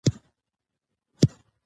ویرات کهولي د هند د ملي لوبډلي کپتان وو.